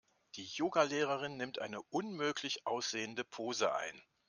Die Yoga-Lehrerin nimmt eine unmöglich aussehende Pose ein.